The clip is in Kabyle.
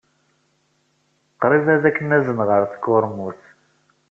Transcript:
Qrib ad k-nazen ɣer tkurmut.